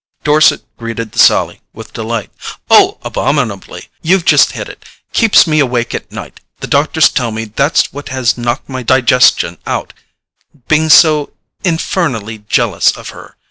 Dorset greeted the sally with delight. "Oh, abominably—you've just hit it—keeps me awake at night. The doctors tell me that's what has knocked my digestion out—being so infernally jealous of her.